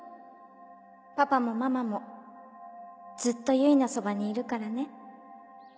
パパもママもずっと唯のそばにいるからね